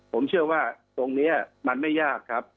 ผมเชื่อว่าตรงนี้มันไม่ยากครับ